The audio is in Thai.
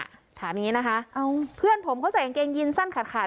ถามอย่างงี้นะคะเอาเพื่อนผมเขาใส่กางเกงยินสั้นขาดขาด